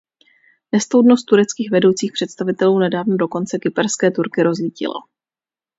Nestoudnost tureckých vedoucích představitelů nedávno dokonce kyperské Turky rozlítila.